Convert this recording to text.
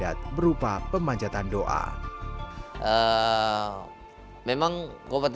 untuk mengirisan anggaran gone huawei